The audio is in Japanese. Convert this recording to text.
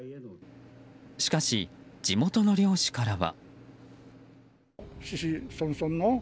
しかし、地元の漁師からは。